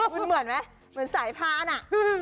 มันเหมือนไหมเหมือนสายพานอ่ะ